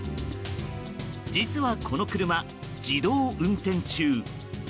実はこの車、自動運転中。